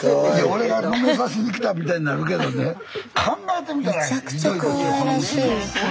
俺がもめさしに来たみたいになるけどね考えてみたらひどいですよ